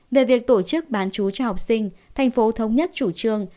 về việc tổ chức bán chú cho học sinh thành phố thống nhất chủ trương